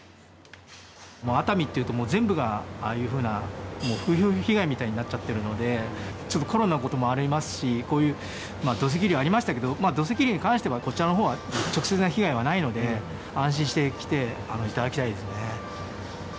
熱海っていうともう全部がああいうふうな、もう風評被害みたいになっちゃってるので、ちょっとコロナのこともありますし、こういう土石流ありましたけど、土石流に関してはこちらのほうは直接な被害はないので、安心して来ていただきたいですね。